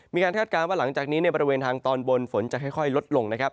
คาดการณ์ว่าหลังจากนี้ในบริเวณทางตอนบนฝนจะค่อยลดลงนะครับ